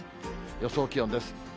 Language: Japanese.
予想気温です。